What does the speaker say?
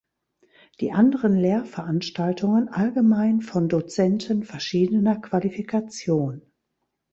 Die anderen Lehrveranstaltungen allgemein von Dozenten verschiedener Qualifikation.